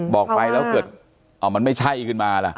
บอกไปแล้วเกิดมันไม่ใช่ขึ้นมาล่ะ